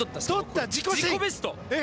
自己ベスト！